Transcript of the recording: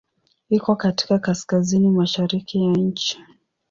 Iko katika kaskazini-mashariki ya nchi.